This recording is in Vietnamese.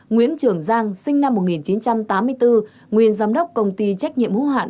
nguyễn trường giang sinh năm một nghìn chín trăm tám mươi bốn nguyên giám đốc công ty trách nhiệm hữu hạn